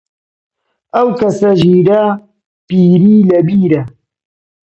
ئەو کەسە ژیرە، پیری لە بیرە